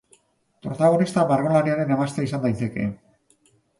Protagonista margolariaren emaztea izan daiteke.